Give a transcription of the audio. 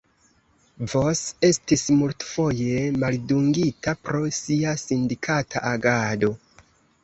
Vos estis multfoje maldungita pro sia sindikata agado.